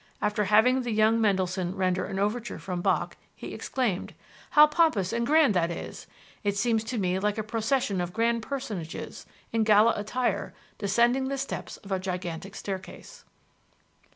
After having the young Mendelssohn render an overture from Bach, he exclaimed, "How pompous and grand that is! It seems to me like a procession of grand personages, in gala attire, descending the steps of a gigantic staircase."